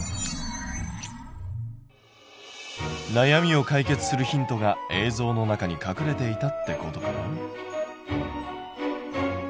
なやみを解決するヒントが映像の中に隠れていたってことかな？